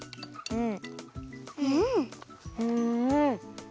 うん！